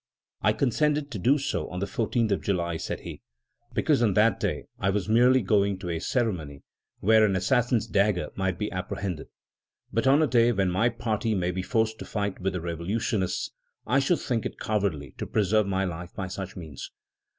"I consented to do so on the 14th of July," said he, "because on that day I was merely going to a ceremony where an assassin's dagger might be apprehended. But on a day when my party may be forced to fight with the revolutionists, I should think it cowardly to preserve my life by such means."